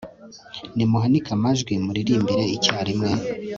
nimuhanike amajwi muririmbire icyarimwe